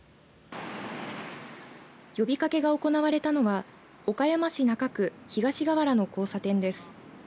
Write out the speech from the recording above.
呼びかけが行われたのは岡山市中区東川原の交差点です。